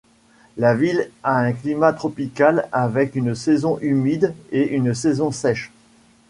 La ville a un climat tropical avec une saison humide et une saison sèche.